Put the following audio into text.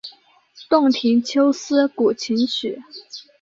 洞庭秋思古琴曲。